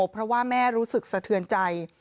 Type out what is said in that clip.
เพราะว่าแม่รู้สึกสะเทือนใจ